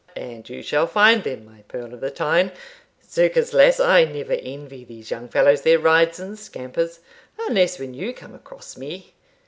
"And you shall find them, my pearl of the Tyne Zookers, lass, I never envy these young fellows their rides and scampers, unless when you come across me.